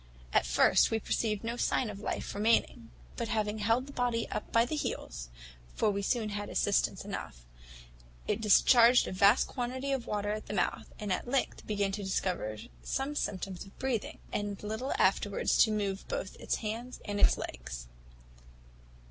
At first we perceived no sign of life remaining; but having held the body up by the heels (for we soon had assistance enough), it discharged a vast quantity of water at the mouth, and at length began to discover some symptoms of breathing, and a little afterwards to move both its hands and its legs.